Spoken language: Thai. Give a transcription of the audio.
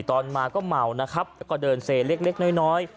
ตอนมาก็เมานะครับแล้วก็เดินเซเล็กน้อย